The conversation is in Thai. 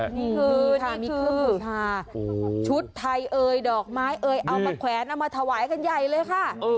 คือชุดไทยเอยดอกไม้เอยเอามาแขวนเอามาถวายให้กันใหญ่เลยค่ะ